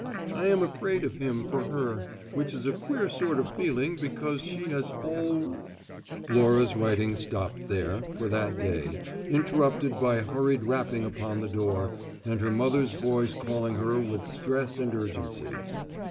I am afraid of him for her, which is a queer sort of feeling because she has alw " Laura's writing stopped there, for that day, interrupted by a hurried rapping upon the door and her mother's voice calling her with stress and urgency.